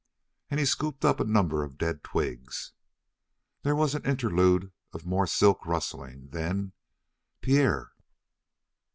And he scooped up a number of dead twigs. There was an interlude of more silk rustling, then: "P P Pierre."